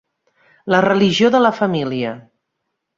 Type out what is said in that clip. La religió de la família.